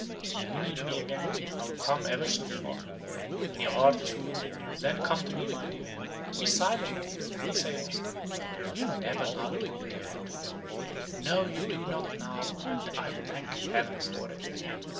When you need me again, I will come ever so far. When your heart is wounded, then come to me, my dear. Be silent! let me say all. You never loved me, dear Henry no, you do not now, and I thank heaven for it.